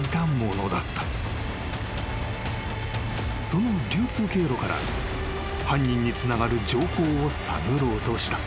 ［その流通経路から犯人につながる情報を探ろうとした］